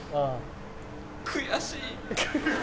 悔しい。